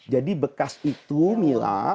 jadi bekas itu mila